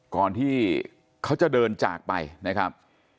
ก่อนที่เขาจะเดินจากไปนะครับ